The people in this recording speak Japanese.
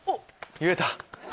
言えた！